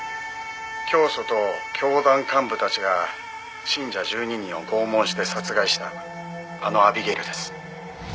「教祖と教団幹部たちが信者１２人を拷問して殺害したあのアビゲイルです」